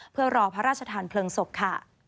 เพื่อรอพระราชทานเพลิงศพค่ะ